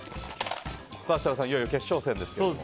設楽さん、いよいよ決勝戦です。